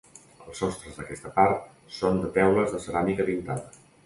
Els sostres d'aquesta part són de teules de ceràmica pintada.